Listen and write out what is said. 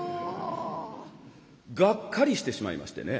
がっかりしてしまいましてね。